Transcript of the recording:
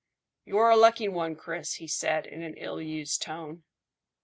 "You are a lucky one, Chris," he said, in an ill used tone.